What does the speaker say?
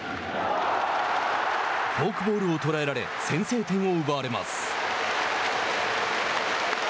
フォークボールを捉えられ先制点を奪われます。